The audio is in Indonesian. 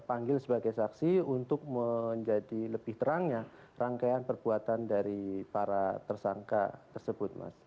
dipanggil sebagai saksi untuk menjadi lebih terangnya rangkaian perbuatan dari para tersangka tersebut mas